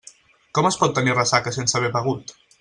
Com es pot tenir ressaca sense haver begut?